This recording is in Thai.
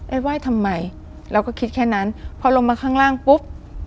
ไหว้ทำไมเราก็คิดแค่นั้นพอลงมาข้างล่างปุ๊บ